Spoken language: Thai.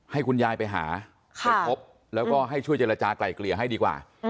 ให้คุณยายไปหาไปพบแล้วก็ให้ช่วยเจรจากลายเกลี่ยให้ดีกว่า